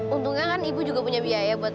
untungnya kan ibu juga punya biaya buat